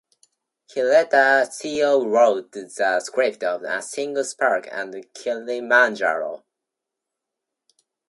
He later co-wrote the script of "A Single Spark" and "Kilimanjaro".